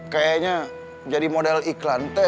kayaknya jadi model iklan